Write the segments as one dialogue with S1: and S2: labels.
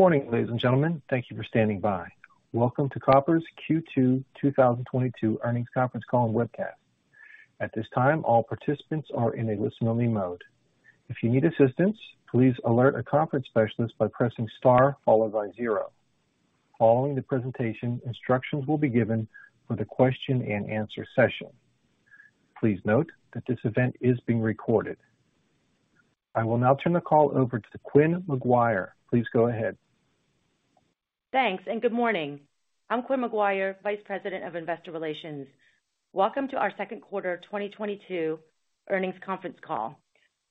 S1: Good morning, ladies and gentlemen. Thank you for standing by. Welcome to Koppers' Q2 2022 earnings conference call and webcast. At this time, all participants are in a listen-only mode. If you need assistance, please alert a conference specialist by pressing star followed by zero. Following the presentation, instructions will be given for the question and answer session. Please note that this event is being recorded. I will now turn the call over to Quynh McGuire. Please go ahead.
S2: Thanks. Good morning. I'm Quynh McGuire, Vice President of Investor Relations. Welcome to our second quarter 2022 earnings conference call.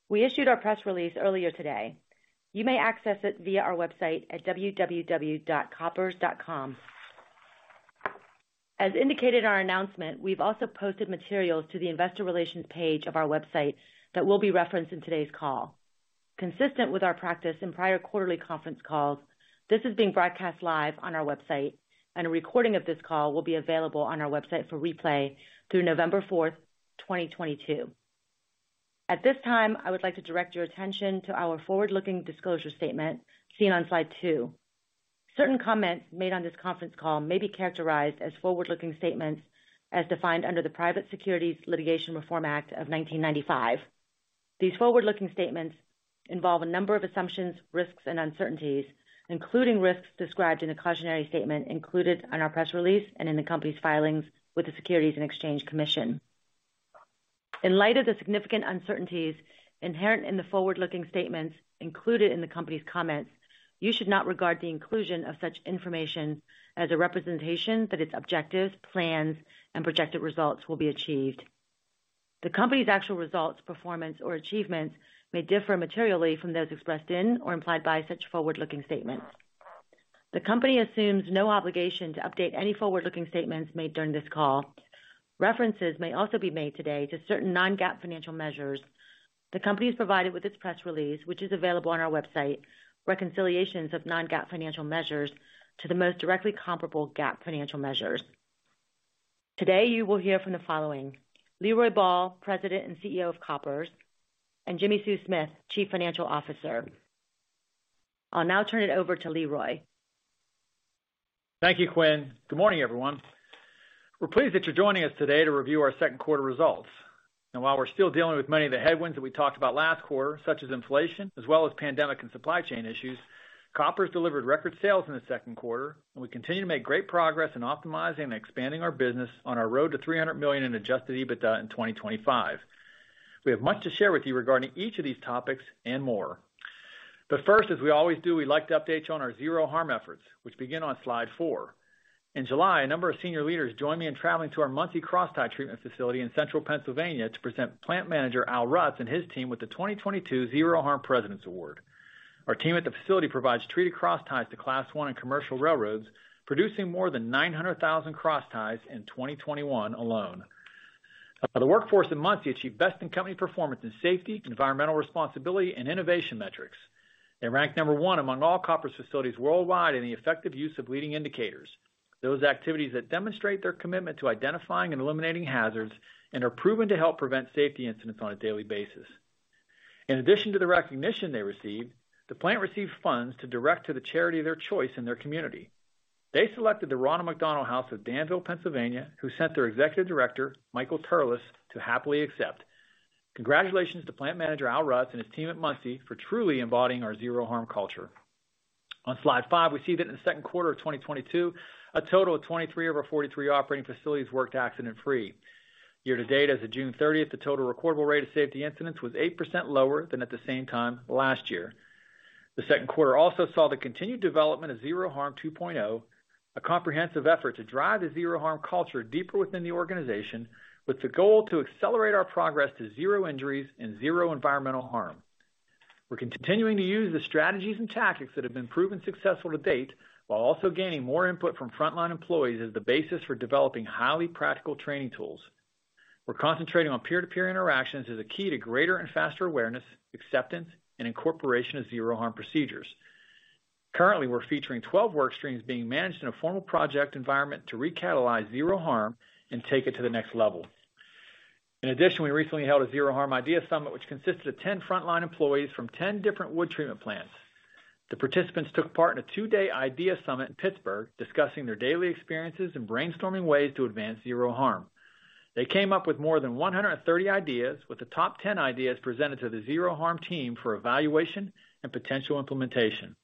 S2: We issued our press release earlier today. You may access it via our website at www.koppers.com. As indicated in our announcement, we've also posted materials to the Investor Relations page of our website that will be referenced in today's call. Consistent with our practice in prior quarterly conference calls, this is being broadcast live on our website, and a recording of this call will be available on our website for replay through November 4th, 2022. At this time, I would like to direct your attention to our forward-looking disclosure statement seen on slide two. Certain comments made on this conference call may be characterized as forward-looking statements as defined under the Private Securities Litigation Reform Act of 1995. These forward-looking statements involve a number of assumptions, risks, and uncertainties, including risks described in the cautionary statement included in our press release and in the company's filings with the Securities and Exchange Commission. In light of the significant uncertainties inherent in the forward-looking statements included in the company's comments, you should not regard the inclusion of such information as a representation that its objectives, plans, and projected results will be achieved. The company's actual results, performance, or achievements may differ materially from those expressed in or implied by such forward-looking statements. The company assumes no obligation to update any forward-looking statements made during this call. References may also be made today to certain non-GAAP financial measures. The company has provided, with its press release, which is available on our website, reconciliations of non-GAAP financial measures to the most directly comparable GAAP financial measures. Today, you will hear from the following, Leroy Ball, President and CEO of Koppers, and Jimmi Sue Smith, Chief Financial Officer. I'll now turn it over to Leroy.
S3: Thank you, Quynh. Good morning, everyone. We're pleased that you're joining us today to review our second quarter results. While we're still dealing with many of the headwinds that we talked about last quarter, such as inflation, as well as pandemic and supply chain issues, Koppers delivered record sales in the second quarter, and we continue to make great progress in optimizing and expanding our business on our road to $300 million in adjusted EBITDA in 2025. We have much to share with you regarding each of these topics and more. First, as we always do, we like to update you on our Zero Harm efforts, which begin on slide four. In July, a number of senior leaders joined me in traveling to our Muncy crosstie treatment facility in central Pennsylvania to present Plant Manager Al Rutz and his team with the 2022 Zero Harm President's Award. Our team at the facility provides treated crossties to Class I and commercial railroads, producing more than 900,000 crossties in 2021 alone. The workforce in Muncy achieved Best-in-Company Performance in Safety, Environmental Responsibility, and Innovation metrics. They ranked number one among all Koppers facilities worldwide in the effective use of Leading Indicators, those activities that demonstrate their commitment to identifying and eliminating hazards and are proven to help prevent safety incidents on a daily basis. In addition to the recognition they received, the plant received funds to direct to the charity of their choice in their community. They selected the Ronald McDonald House of Danville, Pennsylvania, who sent their executive director, Michael Turlis, to happily accept. Congratulations to Plant Manager Al Rutz and his team at Muncy for truly embodying our Zero Harm culture. On slide five, we see that in the second quarter of 2022, a total of 23 of our 43 operating facilities worked accident-free. Year to date, as of June 30th, the total recordable rate of safety incidents was 8% lower than at the same time last year. The second quarter also saw the continued development of Zero Harm 2.0, a comprehensive effort to drive the Zero Harm culture deeper within the organization with the goal to accelerate our progress to zero injuries and zero environmental harm. We're continuing to use the strategies and tactics that have been proven successful to date, while also gaining more input from frontline employees as the basis for developing highly practical training tools. We're concentrating on peer-to-peer interactions as a key to greater and faster awareness, acceptance, and incorporation of Zero Harm procedures. Currently, we're featuring 12 work streams being managed in a formal project environment to recatalyze Zero Harm and take it to the next level. In addition, we recently held a Zero Harm Idea Summit, which consisted of 10 frontline employees from 10 different wood treatment plants. The participants took part in a two-day Idea Summit in Pittsburgh, discussing their daily experiences and brainstorming ways to advance Zero Harm. They came up with more than 130 ideas, with the top 10 ideas presented to the Zero Harm team for evaluation and potential implementation.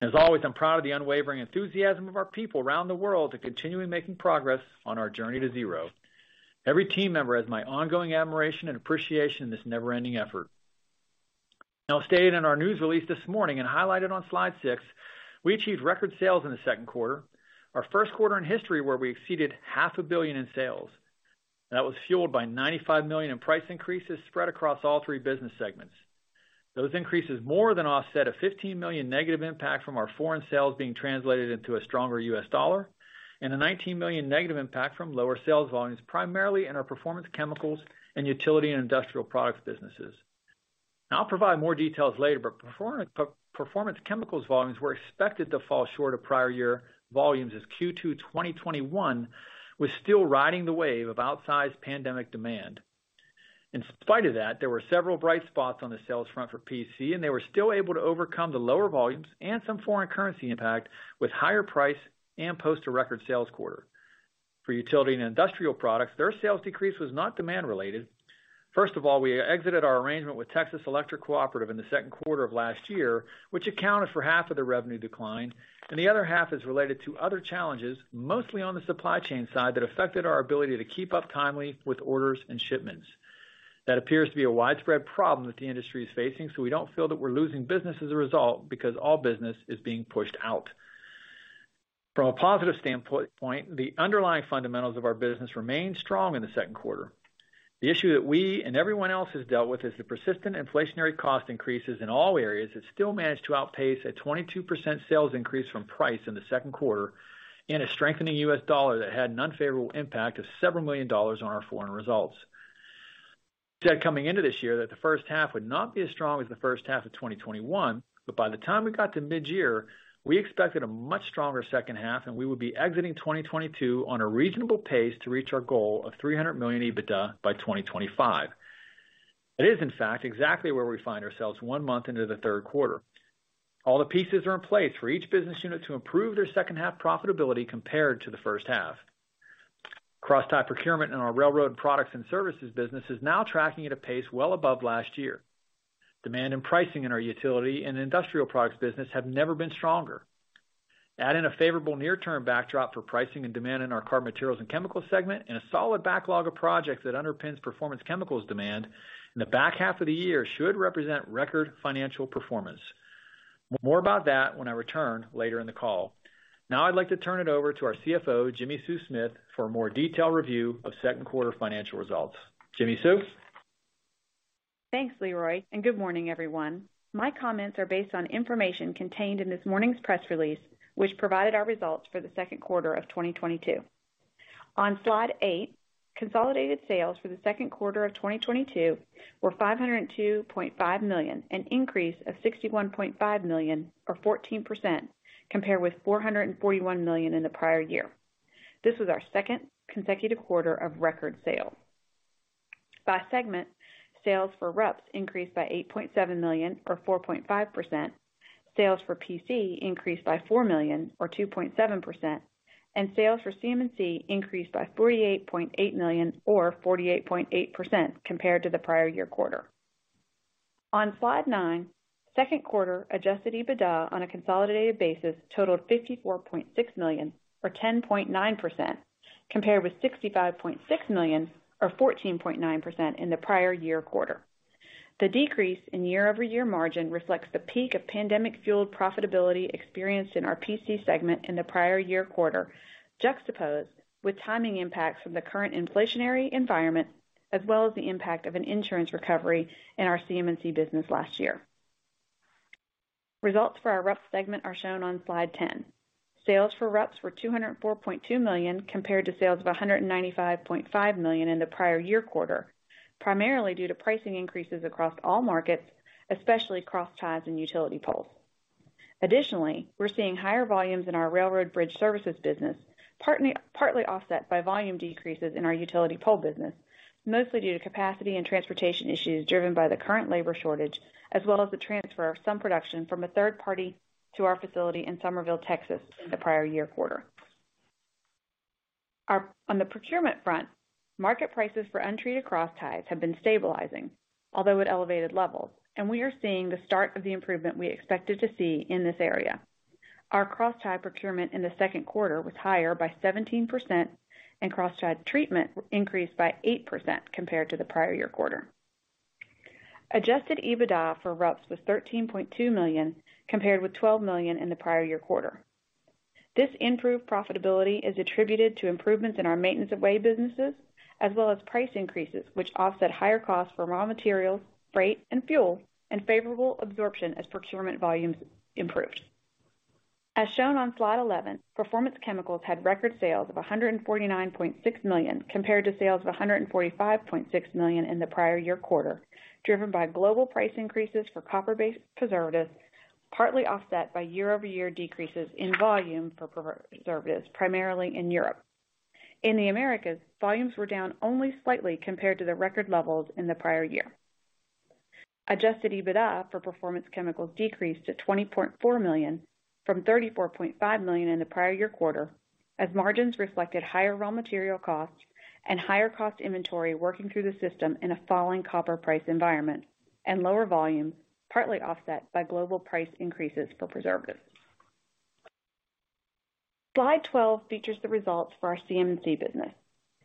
S3: As always, I'm proud of the unwavering enthusiasm of our people around the world to continuing making progress on our journey to Zero. Every team member has my ongoing admiration and appreciation in this never-ending effort. Stated in our news release this morning and highlighted on slide six, we achieved record sales in the second quarter, our first quarter in history where we exceeded $500 million in sales. That was fueled by $95 million in price increases spread across all three business segments. Those increases more than offset a $15 million negative impact from our foreign sales being translated into a stronger U.S. dollar, and a $19 million negative impact from lower sales volumes, primarily in our Performance Chemicals and Utility and Industrial Products businesses. I'll provide more details later, but Performance Chemicals volumes were expected to fall short of prior year volumes as Q2 2021 was still riding the wave of outsized pandemic demand. In spite of that, there were several bright spots on the sales front for PC, and they were still able to overcome the lower volumes and some foreign currency impact with higher price and post a record sales quarter. For Utility and Industrial Products, their sales decrease was not demand related. First of all, we exited our arrangement with Texas Electric Cooperatives in the second quarter of last year, which accounted for half of the revenue decline, and the other half is related to other challenges, mostly on the supply chain side, that affected our ability to keep up timely with orders and shipments. That appears to be a widespread problem that the industry is facing, so we don't feel that we're losing business as a result because all business is being pushed out. From a positive standpoint, the underlying fundamentals of our business remained strong in the second quarter. The issue that we and everyone else has dealt with is the persistent inflationary cost increases in all areas that still managed to outpace a 22% sales increase from price in the second quarter, and a strengthening U.S. dollar that had an unfavorable impact of several million on our foreign results. Said coming into this year that the first half would not be as strong as the first half of 2021, but by the time we got to mid-year, we expected a much stronger second half, and we would be exiting 2022 on a reasonable pace to reach our goal of $300 million EBITDA by 2025. It is, in fact, exactly where we find ourselves one month into the third quarter. All the pieces are in place for each business unit to improve their second half profitability compared to the first half. Crosstie procurement in our Railroad Products and Services business is now tracking at a pace well above last year. Demand and pricing in our Utility and Industrial Products business have never been stronger. Add in a favorable near term backdrop for pricing and demand in our Carbon Materials and Chemicals segment, and a solid backlog of projects that underpins Performance Chemicals demand, and the back half of the year should represent record financial performance. More about that when I return later in the call. Now I'd like to turn it over to our CFO, Jimmi Sue Smith, for a more detailed review of second quarter financial results. Jimmi Sue?
S4: Thanks, Leroy, and good morning, everyone. My comments are based on information contained in this morning's press release, which provided our results for the second quarter of 2022. On slide eight, consolidated sales for the second quarter of 2022 were $502.5 million, an increase of $61.5 million or 14% compared with $441 million in the prior year. This was our second consecutive quarter of record sales. By segment, sales for RUPS increased by $8.7 million or 4.5%. Sales for PC increased by $4 million or 2.7%, and sales for CMC increased by $48.8 million or 48.8% compared to the prior year quarter. On slide nine, second quarter adjusted EBITDA on a consolidated basis totaled $54.6 million or 10.9%, compared with $65.6 million or 14.9% in the prior year quarter. The decrease in year-over-year margin reflects the peak of pandemic-fueled profitability experienced in our PC segment in the prior year quarter, juxtaposed with timing impacts from the current inflationary environment, as well as the impact of an insurance recovery in our CMC business last year. Results for our RUPS segment are shown on slide ten. Sales for RUPS were $204.2 million compared to sales of $195.5 million in the prior year quarter, primarily due to pricing increases across all markets, especially crossties and utility poles. Additionally, we're seeing higher volumes in our railroad bridge services business, partly offset by volume decreases in our utility pole business, mostly due to capacity and transportation issues driven by the current labor shortage, as well as the transfer of some production from a third party to our facility in Somerville, Texas in the prior year quarter. On the procurement front, market prices for untreated crossties have been stabilizing, although at elevated levels, and we are seeing the start of the improvement we expected to see in this area. Our crosstie procurement in the second quarter was higher by 17%, and crosstie treatment increased by 8% compared to the prior year quarter. Adjusted EBITDA for RUPS was $13.2 million, compared with $12 million in the prior year quarter. This improved profitability is attributed to improvements in our maintenance of way businesses, as well as price increases, which offset higher costs for raw materials, freight and fuel, and favorable absorption as procurement volumes improved. As shown on slide 11, Performance Chemicals had record sales of $149.6 million, compared to sales of $145.6 million in the prior year quarter, driven by global price increases for copper-based preservatives, partly offset by year-over-year decreases in volume for preservatives, primarily in Europe. In the Americas, volumes were down only slightly compared to the record levels in the prior year. Adjusted EBITDA for Performance Chemicals decreased to $20.4 million from $34.5 million in the prior year quarter, as margins reflected higher raw material costs and higher cost inventory working through the system in a falling copper price environment and lower volumes, partly offset by global price increases for preservatives. Slide 12 features the results for our CMC business.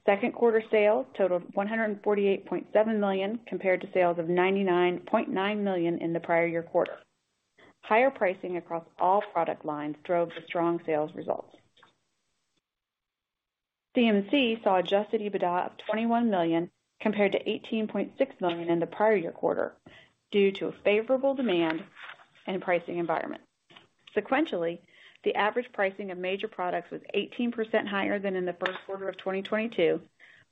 S4: Second quarter sales totaled $148.7 million, compared to sales of $99.9 million in the prior year quarter. Higher pricing across all product lines drove the strong sales results. CMC saw adjusted EBITDA of $21 million, compared to $18.6 million in the prior year quarter, due to a favorable demand and pricing environment. Sequentially, the average pricing of major products was 18% higher than in the first quarter of 2022,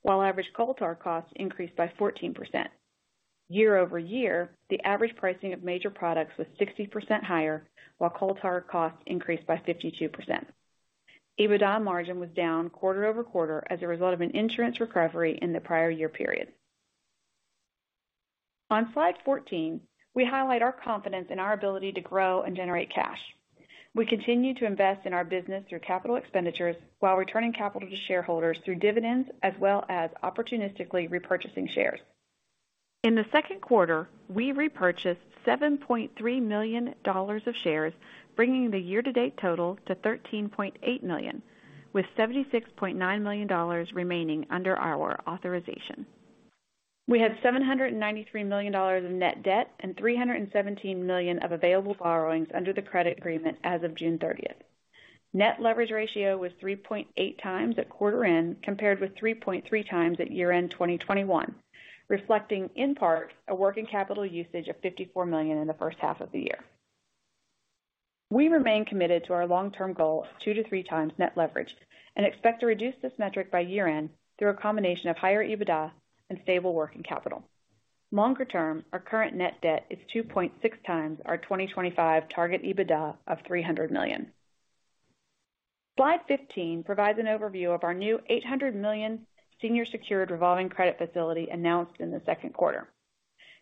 S4: while average coal tar costs increased by 14%. Year-over-year, the average pricing of major products was 60% higher, while coal tar costs increased by 52%. EBITDA margin was down quarter-over-quarter as a result of an insurance recovery in the prior year period. On slide 14, we highlight our confidence in our ability to grow and generate cash. We continue to invest in our business through capital expenditures while returning capital to shareholders through dividends as well as opportunistically repurchasing shares. In the second quarter, we repurchased $7.3 million of shares, bringing the year-to-date total to $13.8 million, with $76.9 million remaining under our authorization. We had $793 million in net debt and $317 million of available borrowings under the credit agreement as of June 30th. Net leverage ratio was 3.8x at quarter end compared with 3.3x at year-end 2021, reflecting in part a working capital usage of $54 million in the first half of the year. We remain committed to our long-term goal of 2x-3x net leverage and expect to reduce this metric by year-end through a combination of higher EBITDA and stable working capital. Longer term, our current net debt is 2.6x our 2025 target EBITDA of $300 million. Slide 15 provides an overview of our new $800 million senior secured revolving credit facility announced in the second quarter.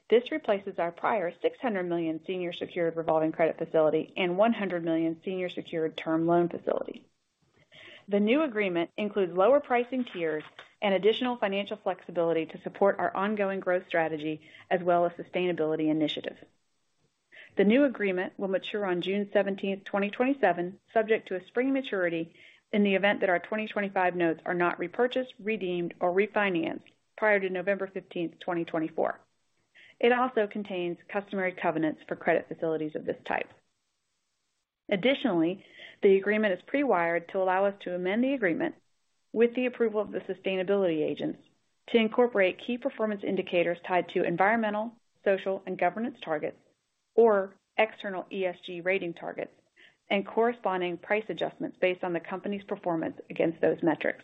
S4: This replaces our prior $600 million senior secured revolving credit facility and $100 million senior secured term loan facility. The new agreement includes lower pricing tiers and additional financial flexibility to support our ongoing growth strategy as well as sustainability initiatives. The new agreement will mature on June 17th, 2027, subject to a spring maturity in the event that our 2025 notes are not repurchased, redeemed or refinanced prior to November 15th, 2024. It also contains customary covenants for credit facilities of this type. Additionally, the agreement is pre-wired to allow us to amend the agreement with the approval of the sustainability agents to incorporate key performance indicators tied to environmental, social and governance targets or external ESG rating targets, and corresponding price adjustments based on the company's performance against those metrics.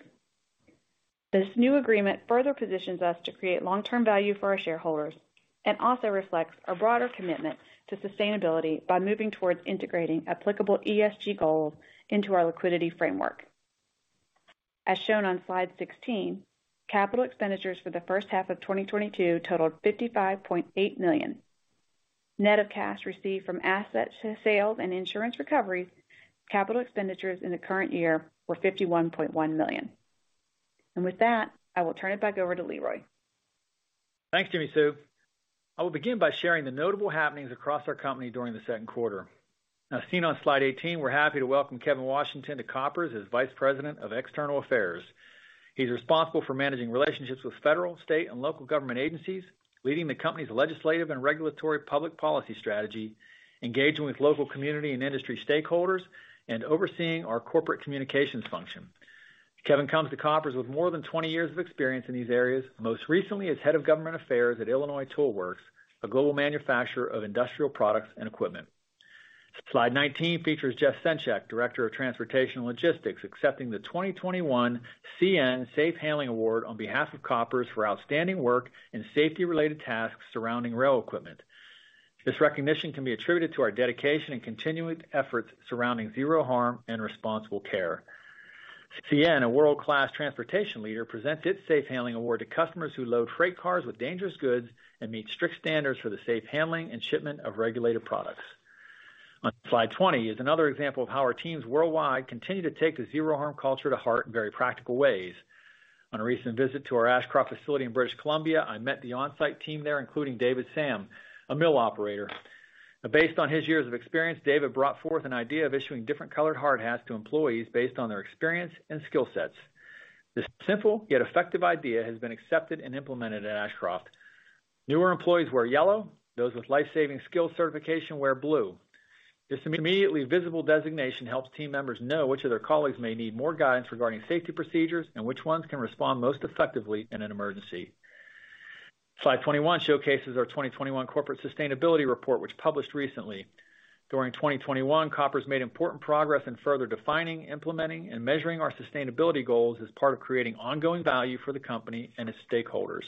S4: This new agreement further positions us to create long-term value for our shareholders and also reflects our broader commitment to sustainability by moving towards integrating applicable ESG goals into our liquidity framework. As shown on slide 16, capital expenditures for the first half of 2022 totaled $55.8 million. Net of cash received from asset sales and insurance recoveries, capital expenditures in the current year were $51.1 million. With that, I will turn it back over to Leroy.
S3: Thanks, Jimmi Sue. I will begin by sharing the notable happenings across our company during the second quarter. Now seen on slide 18, we're happy to welcome Kevin Washington to Koppers as Vice President of External Affairs. He's responsible for managing relationships with federal, state, and local government agencies, leading the company's legislative and regulatory public policy strategy, engaging with local community and industry stakeholders, and overseeing our corporate communications function. Kevin comes to Koppers with more than 20 years of experience in these areas, most recently as head of government affairs at Illinois Tool Works, a global manufacturer of industrial products and equipment. Slide 19 features Jeff Senchak, Director of Transportation and Logistics, accepting the 2021 CN Safe Handling Award on behalf of Koppers for outstanding work in safety-related tasks surrounding rail equipment. This recognition can be attributed to our dedication and continuing efforts surrounding Zero Harm and Responsible Care. CN, a world-class transportation leader, presents its Safe Handling Award to customers who load freight cars with dangerous goods and meet strict standards for the safe handling and shipment of regulated products. On slide 20 is another example of how our teams worldwide continue to take the Zero Harm culture to heart in very practical ways. On a recent visit to our Ashcroft facility in British Columbia, I met the on-site team there, including David Sam, a mill operator. Based on his years of experience, David brought forth an idea of issuing different colored hard hats to employees based on their experience and skill sets. This simple yet effective idea has been accepted and implemented at Ashcroft. Newer employees wear yellow. Those with life-saving skill certification wear blue. This immediately visible designation helps team members know which of their colleagues may need more guidance regarding safety procedures and which ones can respond most effectively in an emergency. Slide 21 showcases our 2021 corporate sustainability report, which published recently. During 2021, Koppers made important progress in further defining, implementing, and measuring our sustainability goals as part of creating ongoing value for the company and its stakeholders.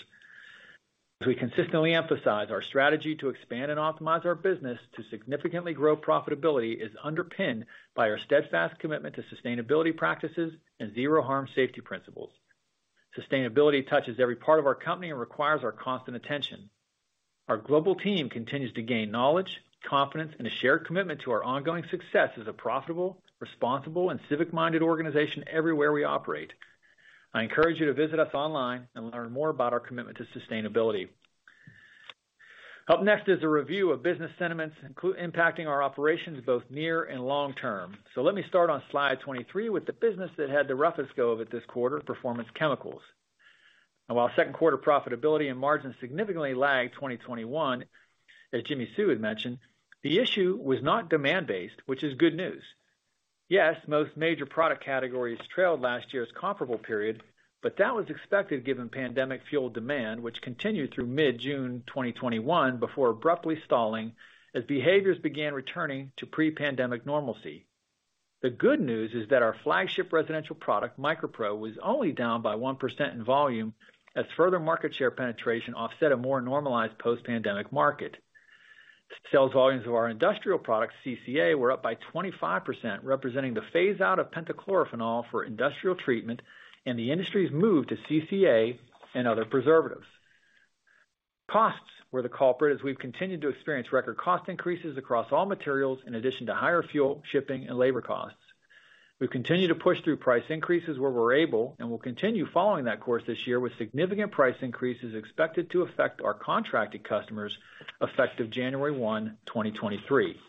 S3: As we consistently emphasize, our strategy to expand and optimize our business to significantly grow profitability is underpinned by our steadfast commitment to sustainability practices and Zero Harm safety principles. Sustainability touches every part of our company and requires our constant attention. Our global team continues to gain knowledge, confidence, and a shared commitment to our ongoing success as a profitable, responsible, and civic-minded organization everywhere we operate. I encourage you to visit us online and learn more about our commitment to sustainability. Up next is a review of business sentiments including impacting our operations both near and long term. Let me start on slide 23 with the business that had the roughest go of it this quarter, Performance Chemicals. While second quarter profitability and margins significantly lagged 2021, as Jimmi Sue had mentioned, the issue was not demand-based, which is good news. Yes, most major product categories trailed last year's comparable period, but that was expected given pandemic-fueled demand, which continued through mid-June 2021 before abruptly stalling as behaviors began returning to pre-pandemic normalcy. The good news is that our flagship residential product, MicroPro, was only down by 1% in volume as further market share penetration offset a more normalized post-pandemic market. Sales volumes of our industrial products, CCA, were up by 25%, representing the phaseout of pentachlorophenol for industrial treatment and the industry's move to CCA and other preservatives. Costs were the culprit as we've continued to experience record cost increases across all materials, in addition to higher fuel, shipping, and labor costs. We've continued to push through price increases where we're able, and will continue following that course this year with significant price increases expected to affect our contracted customers effective January 1, 2023.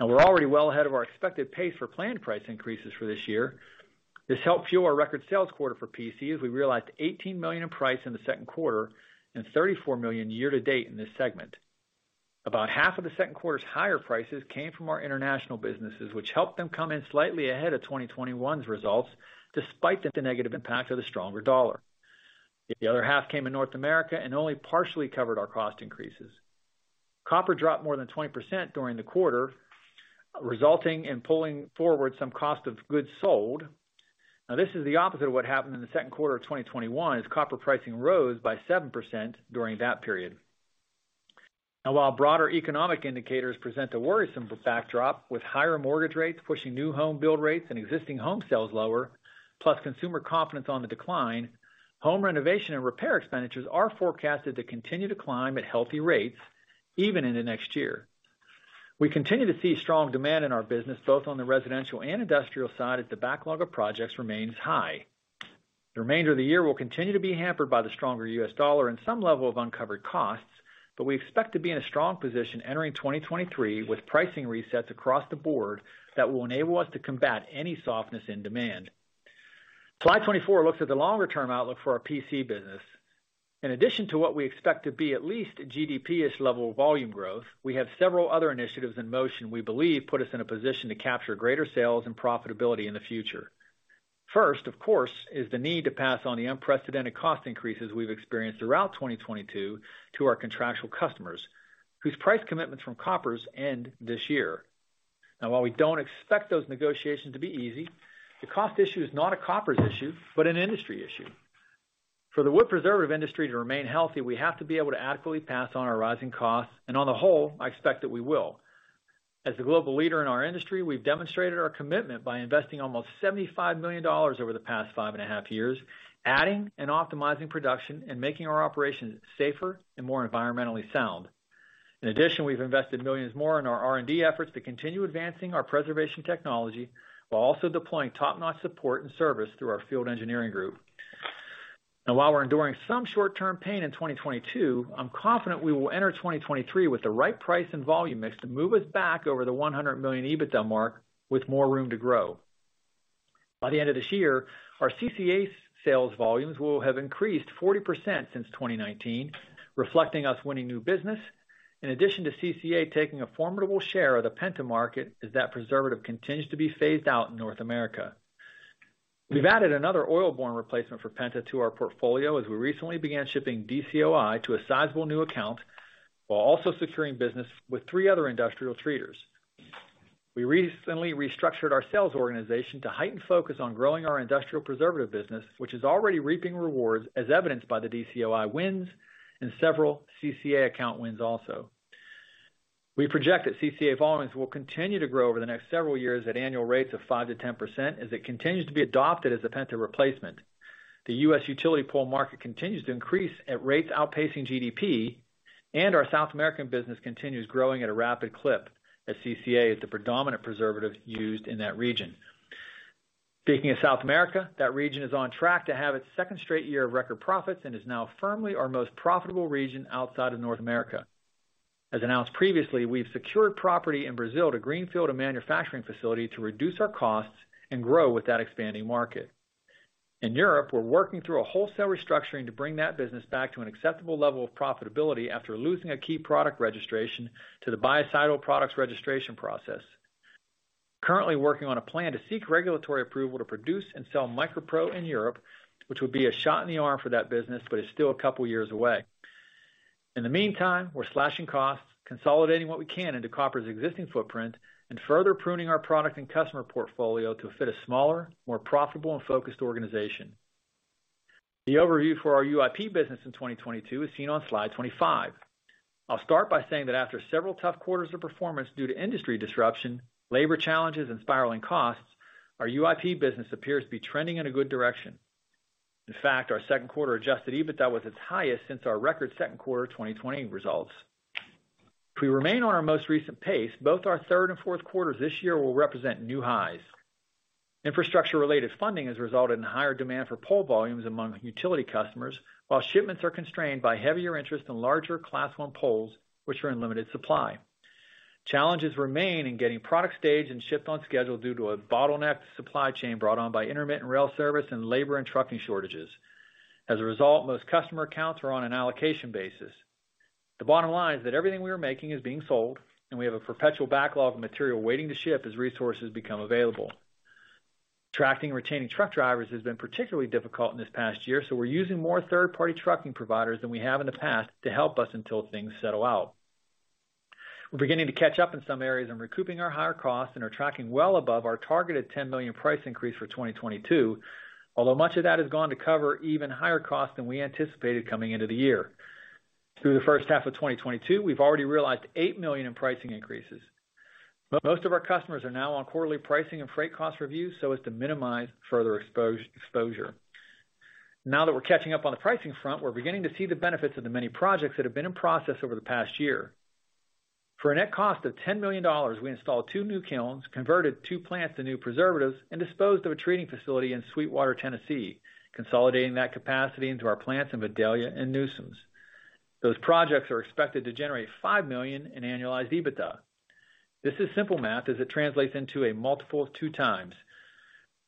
S3: Now we're already well ahead of our expected pace for planned price increases for this year. This helped fuel our record sales quarter for PC as we realized $18 million in price in the second quarter and $34 million year to date in this segment. About half of the second quarter's higher prices came from our international businesses, which helped them come in slightly ahead of 2021's results, despite that the negative impact of the stronger dollar. The other half came in North America and only partially covered our cost increases. Copper dropped more than 20% during the quarter, resulting in pulling forward some cost of goods sold. Now, this is the opposite of what happened in the second quarter of 2021, as copper pricing rose by 7% during that period. Now, while broader economic indicators present a worrisome backdrop, with higher mortgage rates pushing new home build rates and existing home sales lower, plus consumer confidence on the decline, home renovation and repair expenditures are forecasted to continue to climb at healthy rates even into next year. We continue to see strong demand in our business, both on the residential and industrial side, as the backlog of projects remains high. The remainder of the year will continue to be hampered by the stronger U.S. dollar and some level of uncovered costs, but we expect to be in a strong position entering 2023 with pricing resets across the board that will enable us to combat any softness in demand. Slide 24 looks at the longer term outlook for our PC business. In addition to what we expect to be at least GDP-ish level of volume growth, we have several other initiatives in motion we believe put us in a position to capture greater sales and profitability in the future. First, of course, is the need to pass on the unprecedented cost increases we've experienced throughout 2022 to our contractual customers, whose price commitments from Koppers end this year. Now, while we don't expect those negotiations to be easy, the cost issue is not a Koppers issue, but an industry issue. For the wood preservative industry to remain healthy, we have to be able to adequately pass on our rising costs. On the whole, I expect that we will. As the global leader in our industry, we've demonstrated our commitment by investing almost $75 million over the past 5.5 years, adding and optimizing production, and making our operations safer and more environmentally sound. In addition, we've invested millions more in our R&D efforts to continue advancing our preservation technology while also deploying top-notch support and service through our field engineering group. Now, while we're enduring some short-term pain in 2022, I'm confident we will enter 2023 with the right price and volume mix to move us back over the $100 million EBITDA mark with more room to grow. By the end of this year, our CCA sales volumes will have increased 40% since 2019, reflecting us winning new business. In addition to CCA taking a formidable share of the Penta market as that preservative continues to be phased out in North America. We've added another oil-borne replacement for Penta to our portfolio as we recently began shipping DCOI to a sizable new account while also securing business with three other industrial treaters. We recently restructured our sales organization to heighten focus on growing our industrial preservative business, which is already reaping rewards as evidenced by the DCOI wins and several CCA account wins also. We project that CCA volumes will continue to grow over the next several years at annual rates of 5%-10% as it continues to be adopted as a Penta replacement. The U.S. utility pole market continues to increase at rates outpacing GDP, and our South American business continues growing at a rapid clip, as CCA is the predominant preservative used in that region. Speaking of South America, that region is on track to have its second straight year of record profits and is now firmly our most profitable region outside of North America. As announced previously, we've secured property in Brazil to greenfield a manufacturing facility to reduce our costs and grow with that expanding market. In Europe, we're working through a wholesale restructuring to bring that business back to an acceptable level of profitability after losing a key product registration to the Biocidal Products Regulation. Currently working on a plan to seek regulatory approval to produce and sell MicroPro in Europe, which would be a shot in the arm for that business, but is still a couple years away. In the meantime, we're slashing costs, consolidating what we can into Koppers' existing footprint, and further pruning our product and customer portfolio to fit a smaller, more profitable, and focused organization. The overview for our UIP business in 2022 is seen on slide 25. I'll start by saying that after several tough quarters of performance due to industry disruption, labor challenges, and spiraling costs, our UIP business appears to be trending in a good direction. In fact, our second quarter adjusted EBITDA was its highest since our record second quarter of 2020 results. If we remain on our most recent pace, both our third and fourth quarters this year will represent new highs. Infrastructure-related funding has resulted in higher demand for pole volumes among utility customers, while shipments are constrained by heavier interest in larger Class I poles, which are in limited supply. Challenges remain in getting product staged and shipped on schedule due to a bottlenecked supply chain brought on by intermittent rail service and labor and trucking shortages. As a result, most customer accounts are on an allocation basis. The bottom line is that everything we are making is being sold, and we have a perpetual backlog of material waiting to ship as resources become available. Attracting and retaining truck drivers has been particularly difficult in this past year, so we're using more third-party trucking providers than we have in the past to help us until things settle out. We're beginning to catch up in some areas and recouping our higher costs, and are tracking well above our targeted $10 million price increase for 2022, although much of that has gone to cover even higher costs than we anticipated coming into the year. Through the first half of 2022, we've already realized $8 million in pricing increases. Most of our customers are now on quarterly pricing and freight cost reviews so as to minimize further exposure. Now that we're catching up on the pricing front, we're beginning to see the benefits of the many projects that have been in process over the past year. For a net cost of $10 million, we installed two new kilns, converted two plants to new preservatives, and disposed of a treating facility in Sweetwater, Tennessee, consolidating that capacity into our plants in Vidalia and Newsoms. Those projects are expected to generate $5 million in annualized EBITDA. This is simple math as it translates into a multiple of 2x.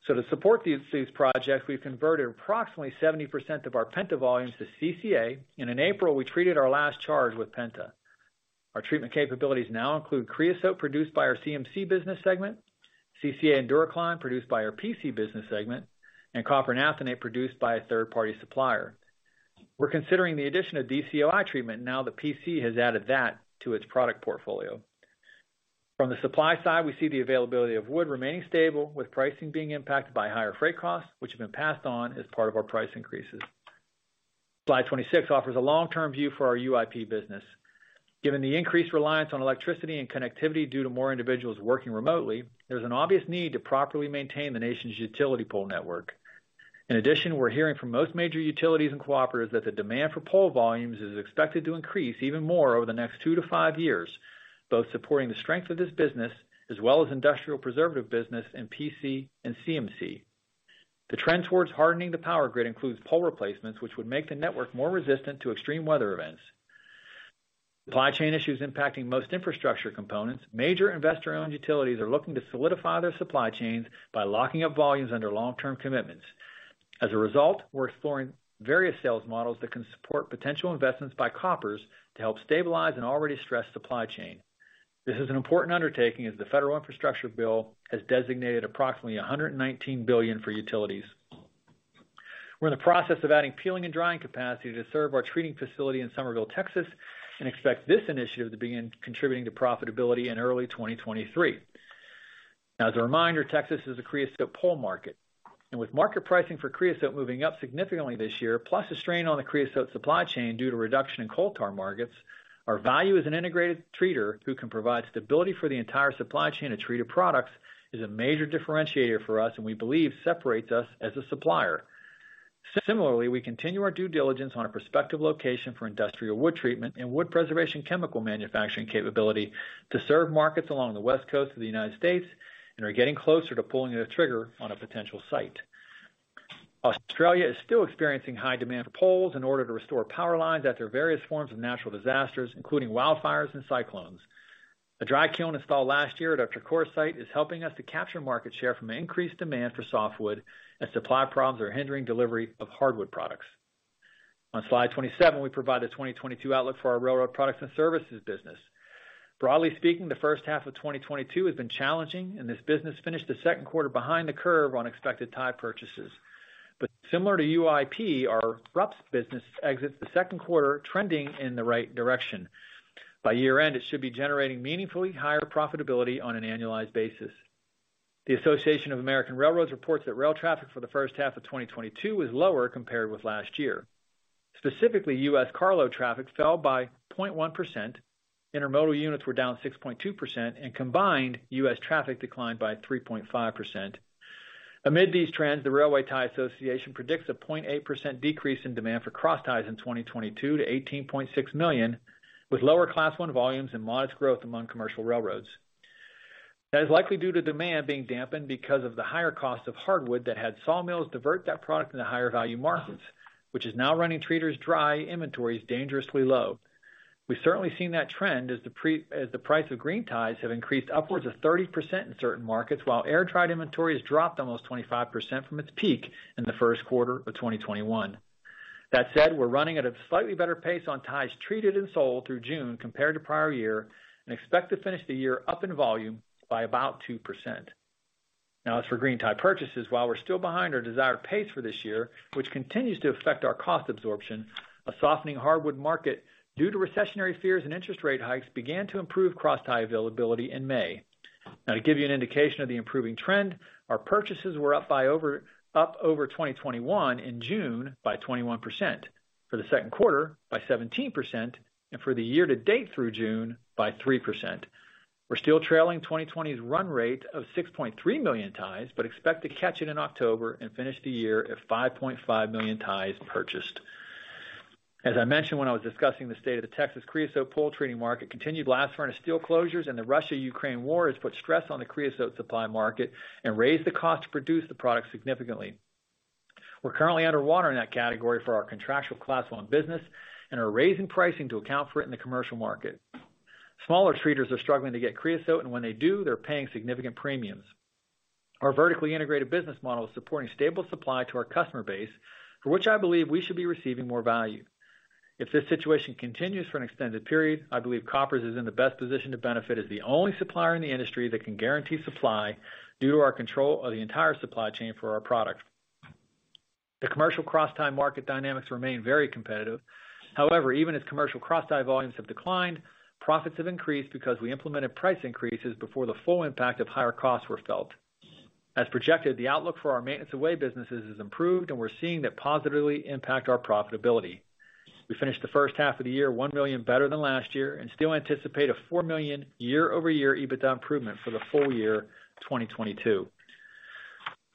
S3: To support these projects, we've converted approximately 70% of our Penta volumes to CCA, and in April, we treated our last charge with Penta. Our treatment capabilities now include creosote, produced by our CMC business segment, CCA and DuraPine, produced by our PC business segment, and copper naphthenate, produced by a third-party supplier. We're considering the addition of DCOI treatment now that PC has added that to its product portfolio. From the supply side, we see the availability of wood remaining stable, with pricing being impacted by higher freight costs, which have been passed on as part of our price increases. Slide 26 offers a long-term view for our UIP business. Given the increased reliance on electricity and connectivity due to more individuals working remotely, there's an obvious need to properly maintain the nation's utility pole network. In addition, we're hearing from most major utilities and cooperatives that the demand for pole volumes is expected to increase even more over the next two to five years, both supporting the strength of this business as well as industrial preservative business in PC and CMC. The trend towards hardening the power grid includes pole replacements, which would make the network more resistant to extreme weather events. Supply chain issues impacting most infrastructure components. Major investor-owned utilities are looking to solidify their supply chains by locking up volumes under long-term commitments. As a result, we're exploring various sales models that can support potential investments by Koppers to help stabilize an already stressed supply chain. This is an important undertaking as the Federal Infrastructure Bill has designated approximately $119 billion for utilities. We're in the process of adding peeling and drying capacity to serve our treating facility in Somerville, Texas, and expect this initiative to begin contributing to profitability in early 2023. As a reminder, Texas is a creosote pole market, and with market pricing for creosote moving up significantly this year, plus a strain on the creosote supply chain due to reduction in coal tar markets, our value as an integrated treater who can provide stability for the entire supply chain of treated products is a major differentiator for us and we believe separates us as a supplier. Similarly, we continue our due diligence on a prospective location for industrial wood treatment and wood preservation chemical manufacturing capability to serve markets along the West Coast of the United States and are getting closer to pulling the trigger on a potential site. Australia is still experiencing high demand for poles in order to restore power lines after various forms of natural disasters, including wildfires and cyclones. A dry kiln installed last year at our Takura site is helping us to capture market share from an increased demand for softwood as supply problems are hindering delivery of hardwood products. On slide 27, we provide the 2022 outlook for our Railroad Products and Services business. Broadly speaking, the first half of 2022 has been challenging, and this business finished the second quarter behind the curve on expected tie purchases. Similar to UIP, our RUPS business exits the second quarter trending in the right direction. By year-end, it should be generating meaningfully higher profitability on an annualized basis. The Association of American Railroads reports that rail traffic for the first half of 2022 was lower compared with last year. Specifically, U.S. carload traffic fell by 0.1%, intermodal units were down 6.2%, and combined, U.S. traffic declined by 3.5%. Amid these trends, the Railway Tie Association predicts a 0.8% decrease in demand for cross ties in 2022 to 18.6 million, with lower Class I volumes and modest growth among commercial railroads. That is likely due to demand being dampened because of the higher cost of hardwood that had sawmills divert that product into higher value markets, which is now running treaters' dry inventories dangerously low. We've certainly seen that trend as the price of green ties have increased upwards of 30% in certain markets, while air-dried inventories dropped almost 25% from its peak in the first quarter of 2021. That said, we're running at a slightly better pace on ties treated and sold through June compared to prior year and expect to finish the year up in volume by about 2%. Now, as for green tie purchases, while we're still behind our desired pace for this year, which continues to affect our cost absorption, a softening hardwood market due to recessionary fears and interest rate hikes began to improve cross tie availability in May. Now, to give you an indication of the improving trend, our purchases were up over 2021 in June by 21%, for the second quarter by 17%, and for the year to date through June by 3%. We're still trailing 2020's run rate of 6.3 million ties, but expect to catch it in October and finish the year at 5.5 million ties purchased. As I mentioned when I was discussing the state of the Texas creosote pole treating market, continued blast furnace steel closures and the Russia-Ukraine war has put stress on the creosote supply market and raised the cost to produce the product significantly. We're currently underwater in that category for our contractual Class I business and are raising pricing to account for it in the commercial market. Smaller treaters are struggling to get creosote, and when they do, they're paying significant premiums. Our vertically integrated business model is supporting stable supply to our customer base, for which I believe we should be receiving more value. If this situation continues for an extended period, I believe Koppers is in the best position to benefit as the only supplier in the industry that can guarantee supply due to our control of the entire supply chain for our products. The commercial crosstie market dynamics remain very competitive. However, even as commercial crosstie volumes have declined, profits have increased because we implemented price increases before the full impact of higher costs were felt. As projected, the outlook for our maintenance of way businesses has improved, and we're seeing that positively impact our profitability. We finished the first half of the year $1 million better than last year and still anticipate a $4 million year-over-year EBITDA improvement for the full year 2022.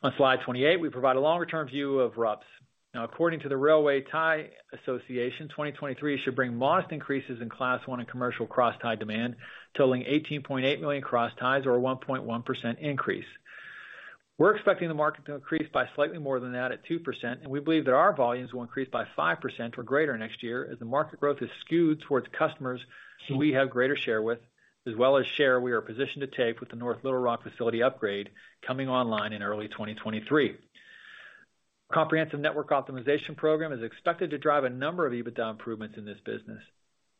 S3: On slide 28, we provide a longer-term view of RUPS. Now, according to the Railway Tie Association, 2023 should bring modest increases in Class I and commercial crosstie demand, totaling 18.8 million crossties or a 1.1% increase. We're expecting the market to increase by slightly more than that at 2%, and we believe that our volumes will increase by 5% or greater next year as the market growth is skewed towards customers who we have greater share with, as well as share we are positioned to take with the North Little Rock facility upgrade coming online in early 2023. Comprehensive network optimization program is expected to drive a number of EBITDA improvements in this business.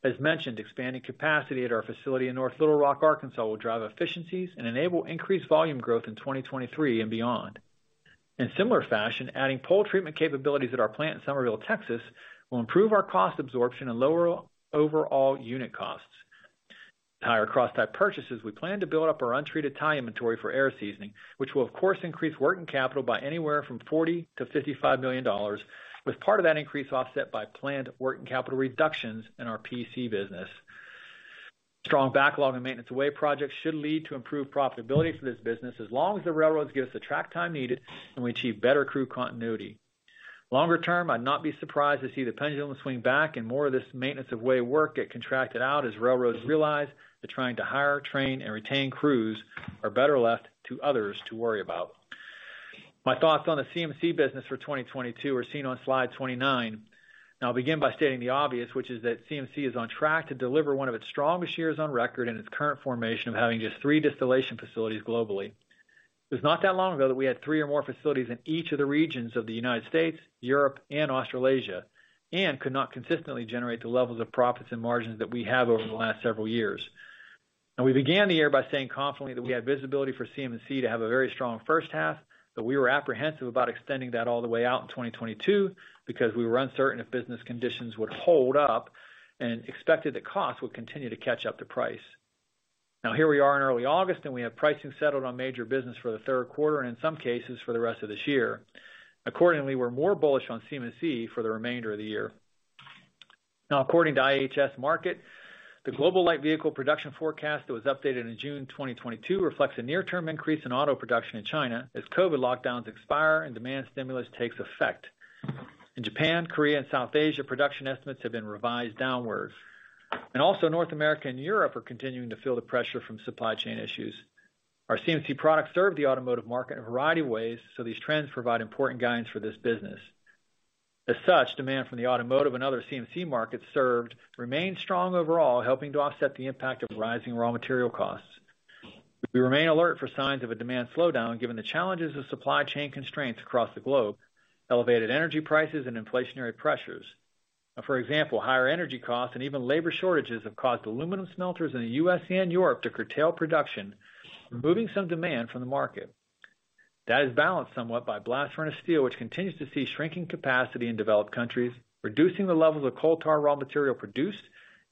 S3: As mentioned, expanding capacity at our facility in North Little Rock, Arkansas, will drive efficiencies and enable increased volume growth in 2023 and beyond. In similar fashion, adding pole treatment capabilities at our plant in Somerville, Texas, will improve our cost absorption and lower overall unit costs. Higher crosstie purchases, we plan to build up our untreated tie inventory for air seasoning, which will of course increase working capital by anywhere from $40 million-$55 million, with part of that increase offset by planned working capital reductions in our PC business. Strong backlog and maintenance of way projects should lead to improved profitability for this business as long as the railroads give us the track time needed and we achieve better crew continuity. Longer term, I'd not be surprised to see the pendulum swing back and more of this maintenance of way work get contracted out as railroads realize that trying to hire, train, and retain crews are better left to others to worry about. My thoughts on the CMC business for 2022 are seen on slide 29. Now I'll begin by stating the obvious, which is that CMC is on track to deliver one of its strongest years on record in its current formation of having just three distillation facilities globally. It was not that long ago that we had three or more facilities in each of the regions of the United States, Europe, and Australasia, and could not consistently generate the levels of profits and margins that we have over the last several years. We began the year by saying confidently that we had visibility for CMC to have a very strong first half, but we were apprehensive about extending that all the way out in 2022 because we were uncertain if business conditions would hold up and expected that costs would continue to catch up to price. Now, here we are in early August, and we have pricing settled on major business for the third quarter and in some cases for the rest of this year. Accordingly, we're more bullish on CMC for the remainder of the year. Now according to IHS Markit, the global light vehicle production forecast that was updated in June 2022 reflects a near-term increase in auto production in China as COVID lockdowns expire and demand stimulus takes effect. In Japan, Korea, and South Asia, production estimates have been revised downwards, and also North America and Europe are continuing to feel the pressure from supply chain issues. Our CMC products serve the automotive market in a variety of ways, so these trends provide important guidance for this business. As such, demand from the automotive and other CMC markets served remains strong overall, helping to offset the impact of rising raw material costs. We remain alert for signs of a demand slowdown, given the challenges of supply chain constraints across the globe, elevated energy prices and inflationary pressures. For example, higher energy costs and even labor shortages have caused aluminum smelters in the U.S. and Europe to curtail production, removing some demand from the market. That is balanced somewhat by blast furnace steel, which continues to see shrinking capacity in developed countries, reducing the levels of coal tar raw material produced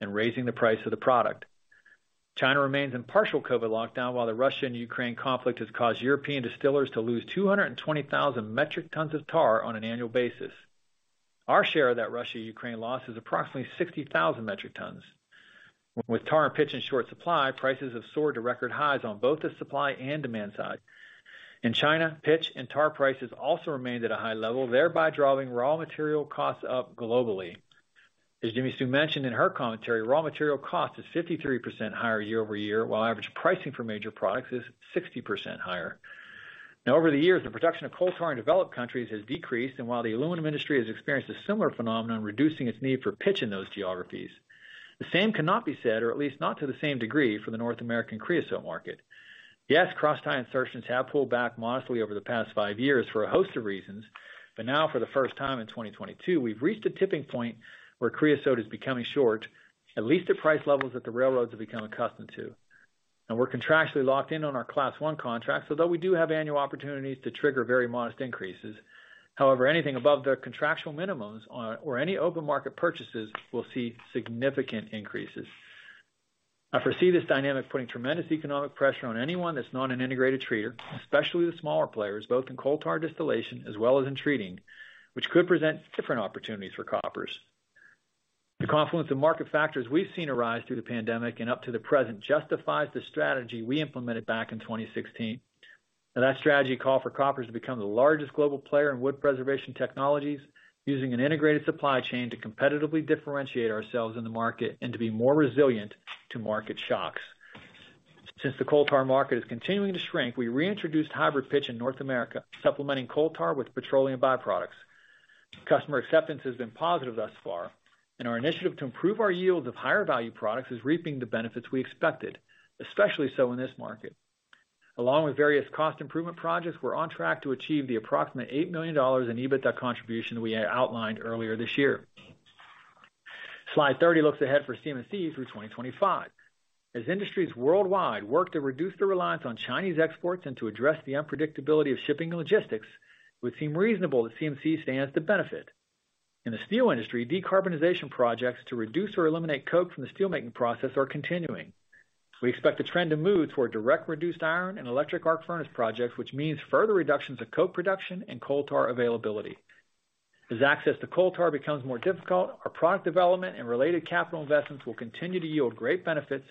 S3: and raising the price of the product. China remains in partial COVID lockdown, while the Russia and Ukraine conflict has caused European distillers to lose 220,000 metric tons of tar on an annual basis. Our share of that Russia-Ukraine loss is approximately 60,000 metric tons. With tar and pitch in short supply, prices have soared to record highs on both the supply and demand side. In China, pitch and tar prices also remained at a high level, thereby driving raw material costs up globally. As Jimmi Sue mentioned in her commentary, raw material cost is 53% higher year-over-year, while average pricing for major products is 60% higher. Now over the years, the production of coal tar in developed countries has decreased, and while the aluminum industry has experienced a similar phenomenon, reducing its need for pitch in those geographies, the same cannot be said, or at least not to the same degree, for the North American creosote market. Yes, crosstie insertions have pulled back modestly over the past five years for a host of reasons. Now for the first time in 2022, we've reached a tipping point where creosote is becoming short, at least at price levels that the railroads have become accustomed to. We're contractually locked in on our Class I contract, so though we do have annual opportunities to trigger very modest increases, however, anything above the contractual minimums or any open market purchases will see significant increases. I foresee this dynamic putting tremendous economic pressure on anyone that's not an integrated treater, especially the smaller players, both in coal tar distillation as well as in treating, which could present different opportunities for Koppers. The confluence of market factors we've seen arise through the pandemic and up to the present justifies the strategy we implemented back in 2016. Now that strategy called for Koppers to become the largest global player in wood preservation technologies using an integrated supply chain to competitively differentiate ourselves in the market and to be more resilient to market shocks. Since the coal tar market is continuing to shrink, we reintroduced hybrid pitch in North America, supplementing coal tar with petroleum byproducts. Customer acceptance has been positive thus far, and our initiative to improve our yield of higher value products is reaping the benefits we expected, especially so in this market. Along with various cost improvement projects, we're on track to achieve the approximate $8 million in EBITDA contribution we outlined earlier this year. Slide 30 looks ahead for CMC through 2025. As industries worldwide work to reduce the reliance on Chinese exports and to address the unpredictability of shipping and logistics, it would seem reasonable that CMC stands to benefit. In the steel industry, decarbonization projects to reduce or eliminate coke from the steelmaking process are continuing. We expect the trend to move toward Direct Reduced Iron and Electric Arc Furnace projects, which means further reductions of coke production and coal tar availability. As access to coal tar becomes more difficult, our product development and related capital investments will continue to yield great benefits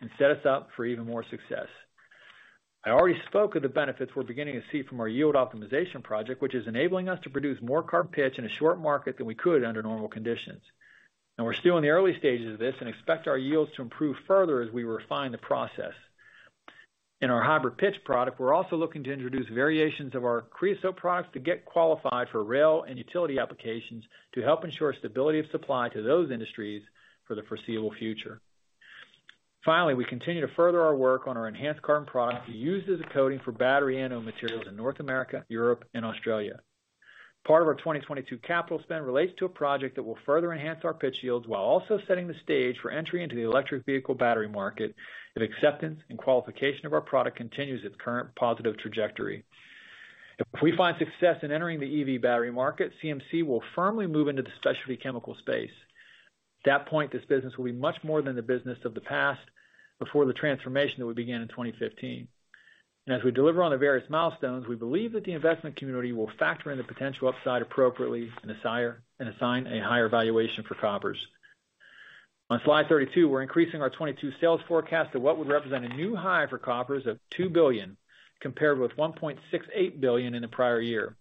S3: and set us up for even more success. I already spoke of the benefits we're beginning to see from our yield optimization project, which is enabling us to produce more carbon pitch in a short market than we could under normal conditions. Now we're still in the early stages of this and expect our yields to improve further as we refine the process. In our hybrid pitch product, we're also looking to introduce variations of our creosote products to get qualified for rail and utility applications to help ensure stability of supply to those industries for the foreseeable future. Finally, we continue to further our work on our enhanced carbon products used as a coating for battery anode materials in North America, Europe, and Australia. Part of our 2022 capital spend relates to a project that will further enhance our pitch yields while also setting the stage for entry into the electric vehicle battery market if acceptance and qualification of our product continues its current positive trajectory. If we find success in entering the EV battery market, CMC will firmly move into the specialty chemical space. At that point, this business will be much more than the business of the past before the transformation that we began in 2015. As we deliver on the various milestones, we believe that the investment community will factor in the potential upside appropriately and assign a higher valuation for Koppers. On slide 32, we're increasing our 2022 sales forecast to what would represent a new high for Koppers of $2 billion, compared with $1.68 billion in the prior year.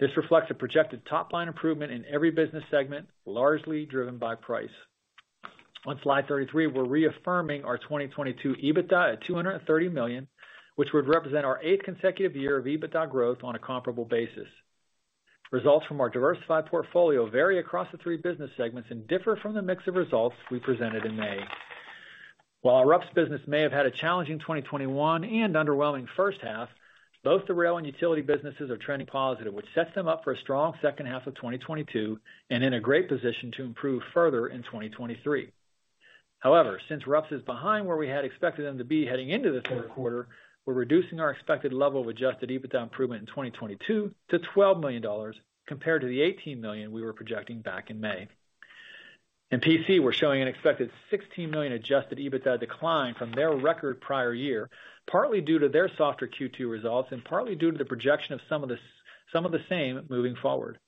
S3: This reflects a projected top line improvement in every business segment, largely driven by price. On slide 33, we're reaffirming our 2022 EBITDA at $230 million, which would represent our eight consecutive year of EBITDA growth on a comparable basis. Results from our diversified portfolio vary across the three business segments and differ from the mix of results we presented in May. While our RUPS business may have had a challenging 2021 and underwhelming first half, both the rail and utility businesses are trending positive, which sets them up for a strong second half of 2022 and in a great position to improve further in 2023. However, since RUPS is behind where we had expected them to be heading into this third quarter, we're reducing our expected level of adjusted EBITDA improvement in 2022 to $12 million compared to the $18 million we were projecting back in May. In PC, we're showing an expected $16 million adjusted EBITDA decline from their record prior year, partly due to their softer Q2 results and partly due to the projection of some of the same moving forward.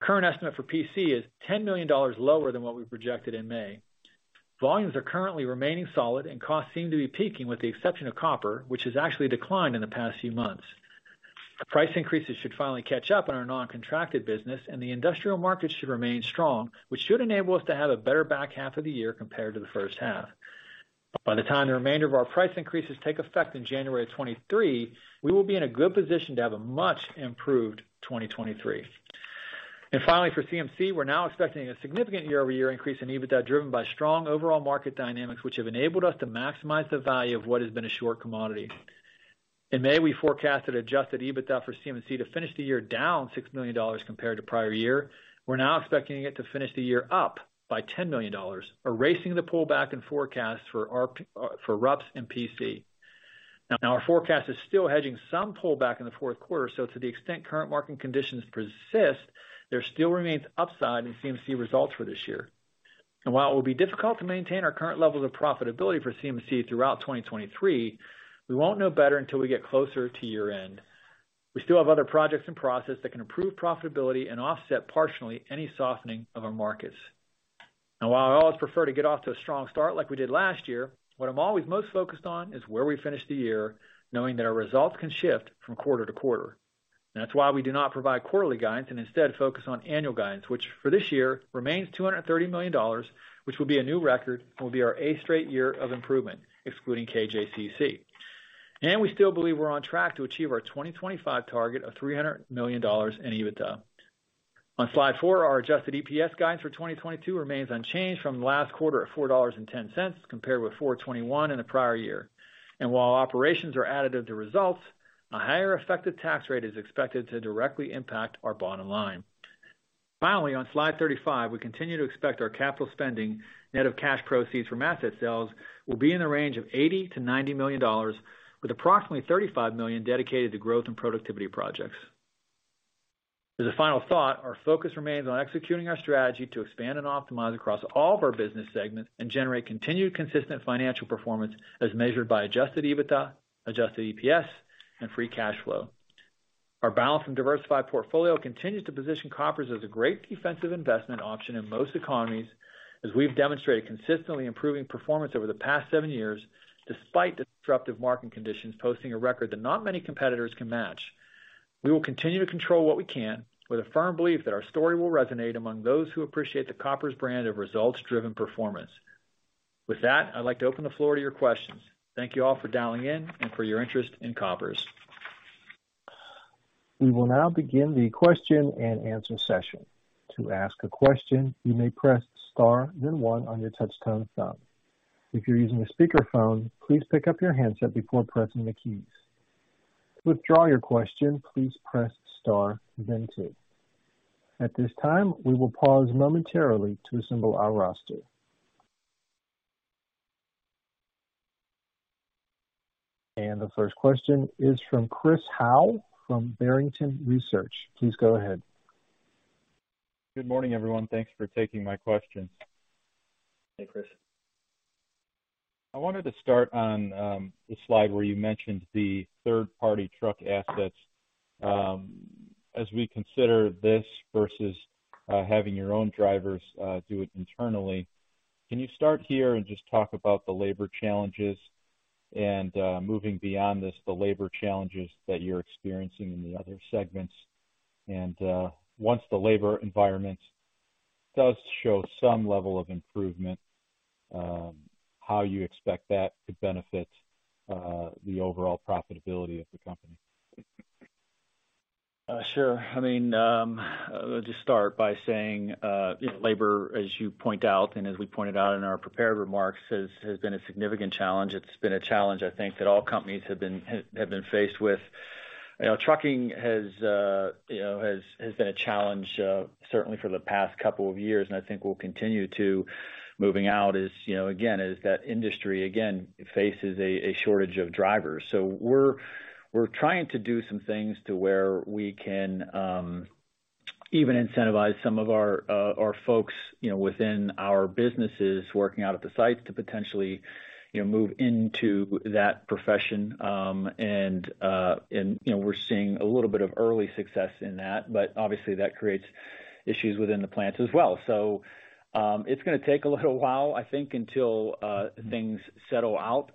S3: Current estimate for PC is $10 million lower than what we projected in May. Volumes are currently remaining solid and costs seem to be peaking, with the exception of copper, which has actually declined in the past few months. Price increases should finally catch up on our non-contracted business, and the industrial market should remain strong, which should enable us to have a better back half of the year compared to the first half. By the time the remainder of our price increases take effect in January of 2023, we will be in a good position to have a much improved 2023. Finally, for CMC, we're now expecting a significant year-over-year increase in EBITDA, driven by strong overall market dynamics, which have enabled us to maximize the value of what has been a short commodity. In May, we forecasted adjusted EBITDA for CMC to finish the year down $6 million compared to prior year. We're now expecting it to finish the year up by $10 million, erasing the pullback in forecasts for RUPS and PC. Our forecast is still hedging some pullback in the fourth quarter, so to the extent current market conditions persist, there still remains upside in CMC results for this year. While it will be difficult to maintain our current levels of profitability for CMC throughout 2023, we won't know better until we get closer to year-end. We still have other projects in process that can improve profitability and offset partially any softening of our markets. While I always prefer to get off to a strong start like we did last year, what I'm always most focused on is where we finish the year, knowing that our results can shift from quarter-to-quarter. That's why we do not provide quarterly guidance and instead focus on annual guidance, which for this year remains $230 million, which will be a new record and will be our eighth straight year of improvement, excluding KJCC. We still believe we're on track to achieve our 2025 target of $300 million in EBITDA. On slide four, our adjusted EPS guidance for 2022 remains unchanged from last quarter at $4.10, compared with $4.21 in the prior year. While operations are additive to results, a higher effective tax rate is expected to directly impact our bottom line. Finally, on slide 35, we continue to expect our capital spending net of cash proceeds from asset sales will be in the range of $80 million-$90 million, with approximately $35 million dedicated to growth and productivity projects. As a final thought, our focus remains on executing our strategy to expand and optimize across all of our business segments and generate continued consistent financial performance as measured by adjusted EBITDA, adjusted EPS, and free cash flow. Our balanced and diversified portfolio continues to position Koppers as a great defensive investment option in most economies, as we've demonstrated consistently improving performance over the past seven years, despite disruptive market conditions posting a record that not many competitors can match. We will continue to control what we can with a firm belief that our story will resonate among those who appreciate the Koppers brand of results-driven performance. With that, I'd like to open the floor to your questions. Thank you all for dialing in and for your interest in Koppers.
S1: We will now begin the question-and-answer session. To ask a question, you may press star then one on your touch-tone phone. If you're using a speakerphone, please pick up your handset before pressing the keys. To withdraw your question, please press star then two. At this time, we will pause momentarily to assemble our roster. The first question is from Chris Howe from Barrington Research. Please go ahead.
S5: Good morning, everyone. Thanks for taking my questions.
S3: Hey, Chris.
S5: I wanted to start on the slide where you mentioned the third-party truck assets. As we consider this versus having your own drivers do it internally, can you start here and just talk about the labor challenges and moving beyond this the labor challenges that you're experiencing in the other segments? Once the labor environment does show some level of improvement, how you expect that to benefit the overall profitability of the company?
S3: Sure. I mean, I'll just start by saying, you know, labor, as you point out, and as we pointed out in our prepared remarks, has been a significant challenge. It's been a challenge I think that all companies have been faced with. You know, trucking has been a challenge, certainly for the past couple of years, and I think will continue moving out as, you know, again, as that industry again faces a shortage of drivers. We're trying to do some things where we can even incentivize some of our folks, you know, within our businesses working out at the sites to potentially, you know, move into that profession. you know, we're seeing a little bit of early success in that, but obviously that creates issues within the plants as well. It's gonna take a little while, I think, until things settle out.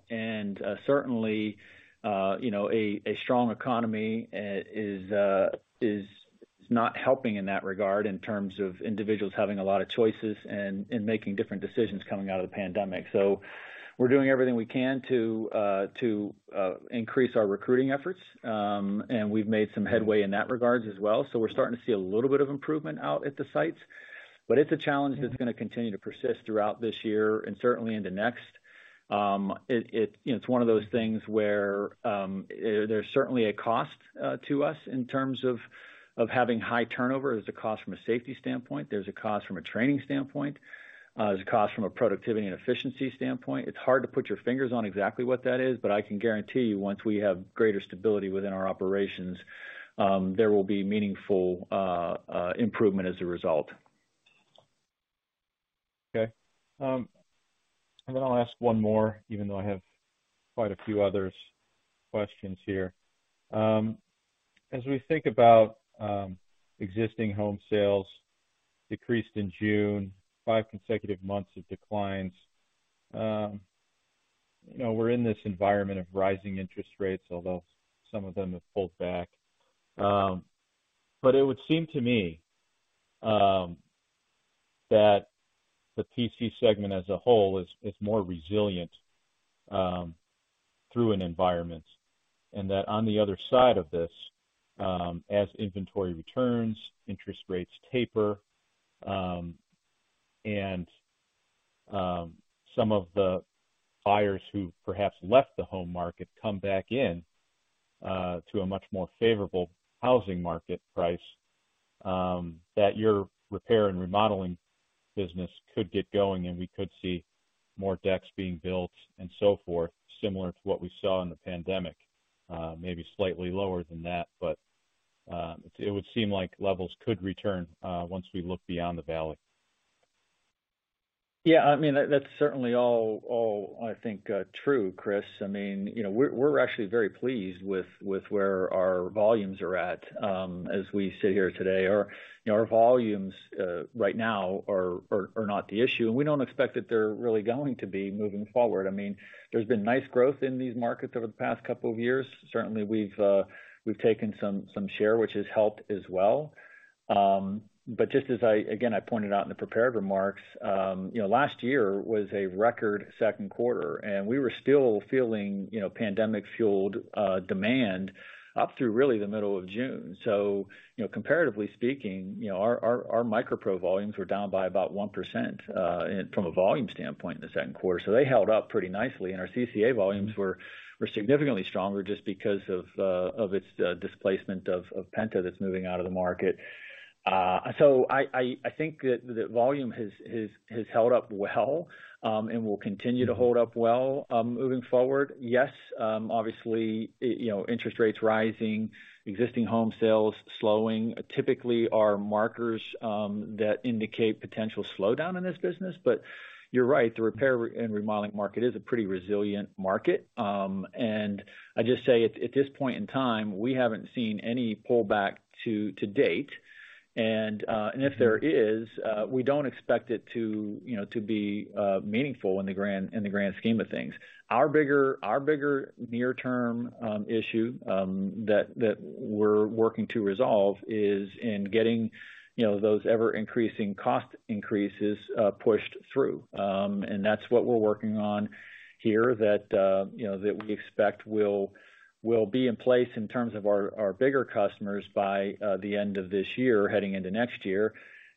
S3: Certainly, you know, a strong economy is not helping in that regard in terms of individuals having a lot of choices and making different decisions coming out of the pandemic. We're doing everything we can to increase our recruiting efforts. We've made some headway in that regard as well. We're starting to see a little bit of improvement out at the sites, but it's a challenge that's gonna continue to persist throughout this year and certainly into next. You know, it's one of those things where there's certainly a cost to us in terms of having high turnover. There's a cost from a safety standpoint. There's a cost from a training standpoint. There's a cost from a productivity and efficiency standpoint. It's hard to put your fingers on exactly what that is, but I can guarantee you once we have greater stability within our operations, there will be meaningful improvement as a result.
S5: Okay. Then I'll ask one more even though I have quite a few other questions here. As we think about existing home sales decreased in June, five consecutive months of declines, you know, we're in this environment of rising interest rates, although some of them have pulled back. It would seem to me that the PC segment as a whole is more resilient through an environment. That on the other side of this, as inventory returns, interest rates taper, and some of the buyers who perhaps left the home market come back in to a much more favorable housing market price, that your repair and remodeling business could get going, and we could see more decks being built and so forth, similar to what we saw in the pandemic. Maybe slightly lower than that, but it would seem like levels could return once we look beyond the valley.
S3: Yeah. I mean, that's certainly all, I think, true, Chris. I mean, you know, we're actually very pleased with where our volumes are at, as we sit here today. You know, our volumes right now are not the issue, and we don't expect that they're really going to be moving forward. I mean, there's been nice growth in these markets over the past couple of years. Certainly we've taken some share, which has helped as well. Just as I again pointed out in the prepared remarks, you know, last year was a record second quarter, and we were still feeling you know, pandemic-fueled demand up through really the middle of June. You know, comparatively speaking, you know, our MicroPro volumes were down by about 1% from a volume standpoint in the second quarter. They held up pretty nicely, and our CCA volumes were significantly stronger just because of its displacement of Penta that's moving out of the market. I think that the volume has held up well and will continue to hold up well moving forward. Yes, obviously, you know, interest rates rising, existing home sales slowing typically are markers that indicate potential slowdown in this business. You're right, the repair and remodeling market is a pretty resilient market. I just say at this point in time, we haven't seen any pullback to date. If there is, we don't expect it to, you know, to be meaningful in the grand scheme of things. Our bigger near-term issue that we're working to resolve is in getting, you know, those ever-increasing cost increases pushed through. That's what we're working on here that, you know, that we expect will be in place in terms of our bigger customers by the end of this year heading into next year.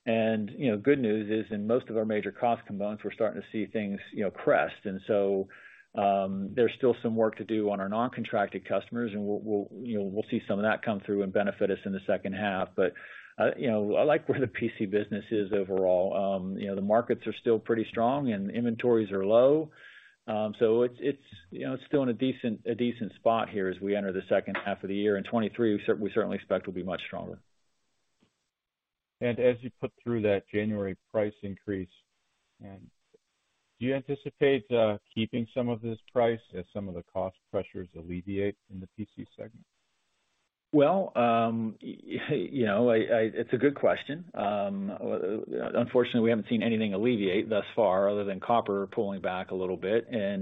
S3: You know, good news is in most of our major cost components, we're starting to see things, you know, crest. There's still some work to do on our non-contracted customers and we'll see some of that come through and benefit us in the second half. You know, I like where the PC business is overall. You know, the markets are still pretty strong, and inventories are low. It's, you know, it's still in a decent spot here as we enter the second half of the year. 2023, we certainly expect will be much stronger.
S5: As you put through that January price increase, and do you anticipate keeping some of this price as some of the cost pressures alleviate in the PC segment?
S3: Well, you know, it's a good question. Unfortunately, we haven't seen anything alleviate thus far other than copper pulling back a little bit.
S5: Yeah.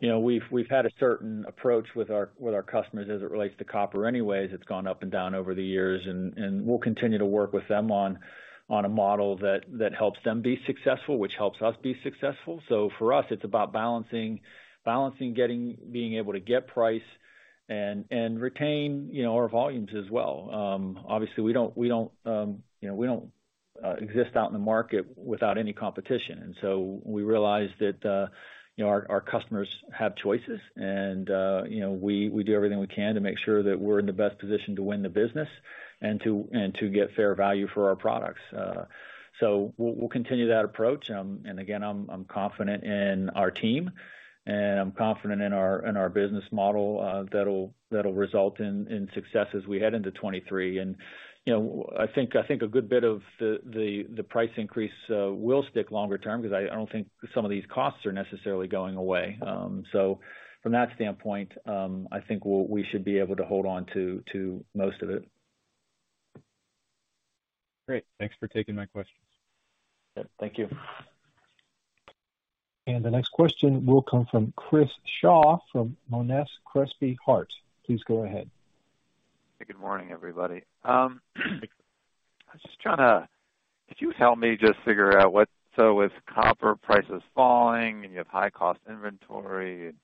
S3: You know, we've had a certain approach with our customers as it relates to copper anyways. It's gone up and down over the years and we'll continue to work with them on a model that helps them be successful, which helps us be successful. For us, it's about balancing being able to get price and retain, you know, our volumes as well. Obviously, we don't, you know, exist out in the market without any competition. We realize that, you know, our customers have choices and, you know, we do everything we can to make sure that we're in the best position to win the business and to get fair value for our products. We'll continue that approach. I'm confident in our team, and I'm confident in our business model that'll result in success as we head into 2023. You know, I think a good bit of the price increase will stick longer term because I don't think some of these costs are necessarily going away. From that standpoint, I think we should be able to hold on to most of it.
S5: Great. Thanks for taking my questions.
S3: Yeah. Thank you.
S1: The next question will come from Chris Shaw from Monness, Crespi, Hardt. Please go ahead.
S6: Good morning, everybody. Could you help me just figure out with copper price is falling and you have high cost inventory, and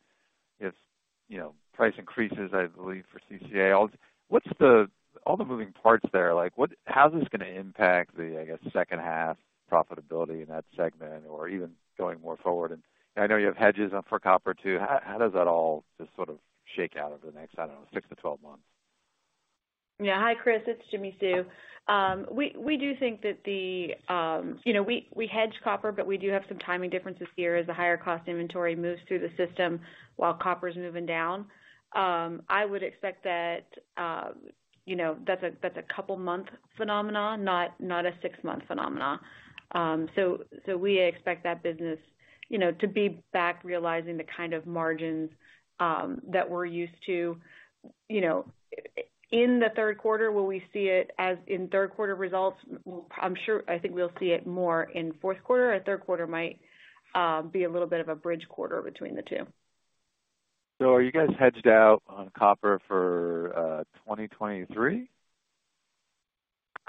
S6: if, you know, price increases, I believe for CCA, what's the all the moving parts there, like what how is this gonna impact the, I guess, second half profitability in that segment or even going more forward? I know you have hedges up for copper too. How does that all just sort of shake out over the next, I don't know, six to 12 months?
S4: Yeah. Hi, Chris. It's Jimmy Sue. We do think that. You know, we hedge copper, but we do have some timing differences here as the higher cost inventory moves through the system while copper's moving down. I would expect that, you know, that's a couple month phenomena, not a six-month phenomena. We expect that business, you know, to be back realizing the kind of margins that we're used to. You know, in the third quarter, will we see it in third quarter results? I'm sure. I think we'll see it more in fourth quarter, and third quarter might be a little bit of a bridge quarter between the two.
S6: Are you guys hedged out on copper for 2023?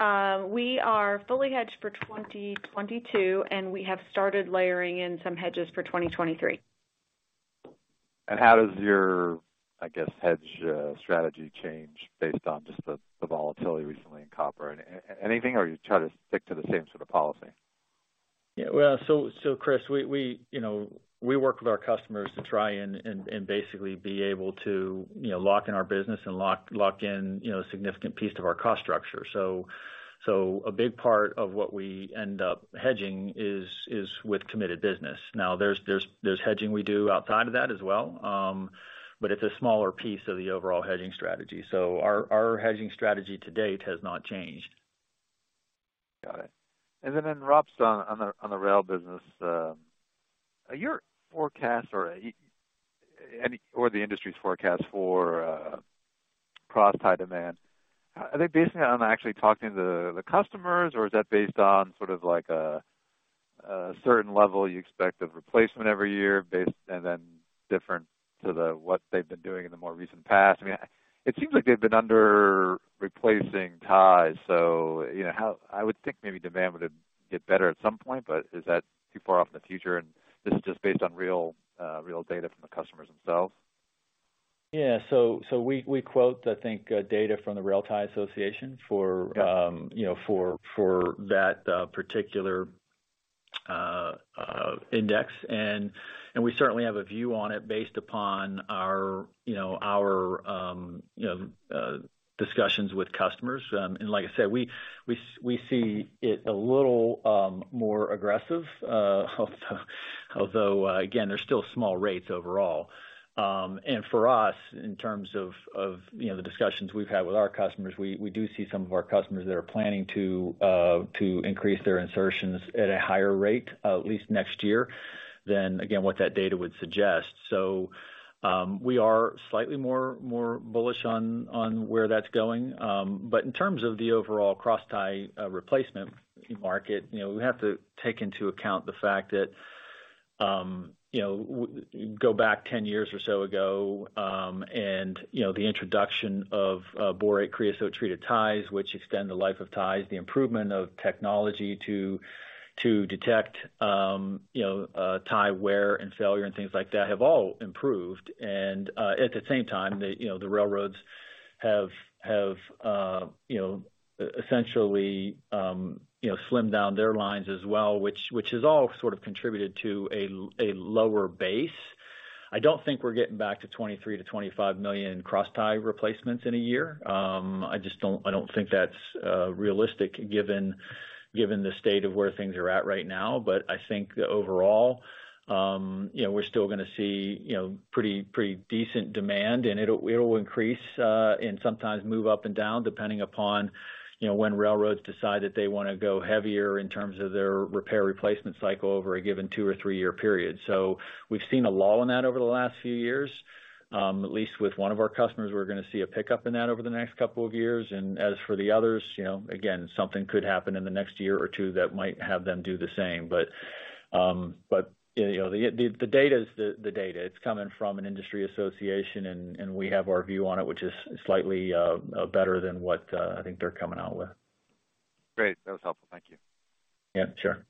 S4: We are fully hedged for 2022, and we have started layering in some hedges for 2023.
S6: How does your, I guess, hedge strategy change based on just the volatility recently in copper? Anything or you try to stick to the same sort of policy?
S3: Yeah. Well, so Chris, we, you know, we work with our customers to try and basically be able to, you know, lock in our business and lock in, you know, a significant piece of our cost structure. A big part of what we end up hedging is with committed business. Now, there's hedging we do outside of that as well. But it's a smaller piece of the overall hedging strategy. Our hedging strategy to date has not changed.
S6: Got it. And then RUPS on the rail business, are your forecast or the industry's forecast for crosstie demand, are they based on actually talking to the customers or is that based on sort of like a certain level you expect of replacement every year based and different to what they've been doing in the more recent past? I mean, it seems like they've been under replacing ties, you know, how I would think maybe demand would get better at some point, but is that too far off in the future? This is just based on real data from the customers themselves?
S3: Yeah. We quote, I think, data from the Railway Tie Association for, you know, for that particular index. We certainly have a view on it based upon our, you know, our discussions with customers. Like I said, we see it a little more aggressive. Although again, they're still small rates overall. For us, in terms of the discussions we've had with our customers, we do see some of our customers that are planning to increase their insertions at a higher rate, at least next year than what that data would suggest. We are slightly more bullish on where that's going. In terms of the overall crosstie replacement market, you know, we have to take into account the fact that, you know, go back 10 years or so ago, and, you know, the introduction of borate-creosote treated ties, which extend the life of ties, the improvement of technology to detect tie wear and failure and things like that, have all improved. At the same time, you know, the railroads have essentially slimmed down their lines as well, which has all sort of contributed to a lower base. I don't think we're getting back to 23-25 million crosstie replacements in a year. I just don't think that's realistic given the state of where things are at right now. I think overall, you know, we're still gonna see, you know, pretty decent demand and it'll increase, and sometimes move up and down depending upon, you know, when railroads decide that they wanna go heavier in terms of their repair replacement cycle over a given two or three-year period. We've seen a lull in that over the last few years. At least with one of our customers, we're gonna see a pickup in that over the next couple of years. As for the others, you know, again, something could happen in the next year or two that might have them do the same. You know, the data is the data. It's coming from an industry association and we have our view on it, which is slightly better than what I think they're coming out with.
S6: Great. That was helpful. Thank you.
S3: Yeah. Sure.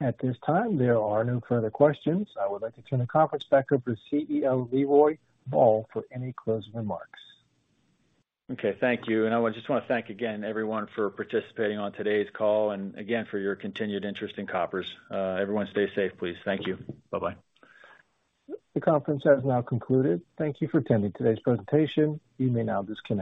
S1: At this time, there are no further questions. I would like to turn the conference back over to CEO, Leroy Ball for any closing remarks.
S3: Okay. Thank you. I just wanna thank again everyone for participating on today's call and again for your continued interest in Koppers. Everyone stay safe, please. Thank you. Bye-bye.
S1: The conference has now concluded. Thank you for attending today's presentation. You may now disconnect.